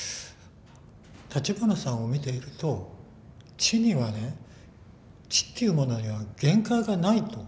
立花さんを見ていると知にはね知っていうものには限界がないと。